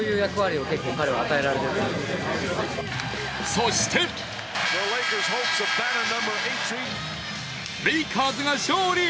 そしてレイカーズが勝利。